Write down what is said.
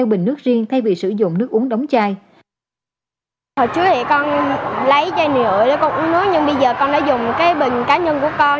hồi trước thì con lấy chai nhựa để con uống nước nhưng bây giờ con đã dùng cái bình cá nhân của con